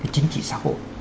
chính trị xã hội